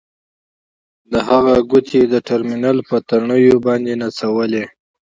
د هغه ګوتې د ټرمینل په تڼیو باندې نڅولې